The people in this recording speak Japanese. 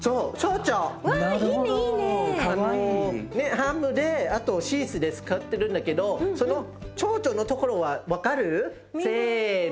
ハムであとチーズでつくってるんだけどそのチョウチョのところは分かる？せの。